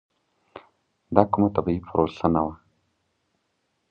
دا کومه طبیعي پروسه نه وه.